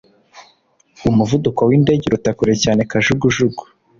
umuvuduko windege uruta kure cyane kajugujugu